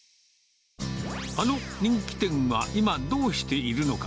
あの人気店は今どうしているのか。